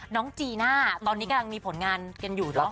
จีน่าตอนนี้กำลังมีผลงานกันอยู่เนอะ